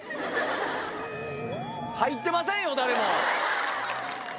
入ってませんよ。